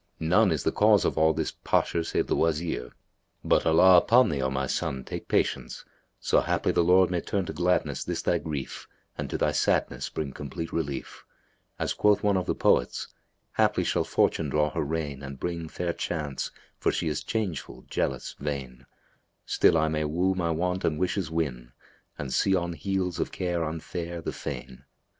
None is the cause of all this posher save the Wazir; but, Allah upon thee, O my son, take patience, so haply the Lord may turn to gladness this thy grief and to thy sadness bring complete relief: as quoth one of the poets, 'Haply shall Fortune draw her rein, and bring * Fair chance, for she is changeful, jealous, vain: Still I may woo my want and wishes win, * And see on heels of care unfair, the fain.'